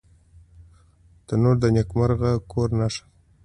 تنور د نیکمرغه کور نښه ده